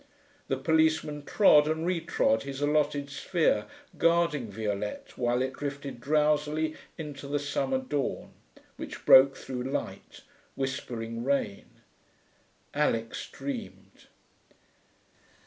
The policeman trod and retrod his allotted sphere, guarding Violette while it drifted drowsily into the summer dawn, which broke through light, whispering rain. Alix dreamed....